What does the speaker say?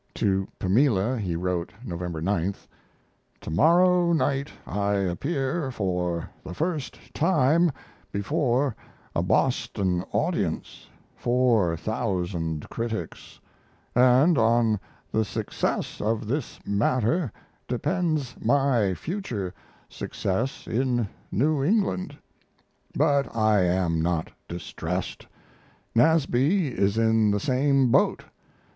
To Pamela he wrote (November 9th): To morrow night I appear for the first time before a Boston audience 4,000 critics and on the success of this matter depends my future success in New England. But I am not distressed. Nasby is in the same boat.